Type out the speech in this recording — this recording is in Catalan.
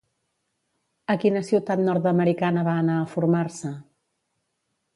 A quina ciutat nord-americana va anar a formar-se?